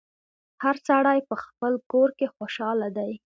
هر سړی په خپل کور کي خوشحاله دی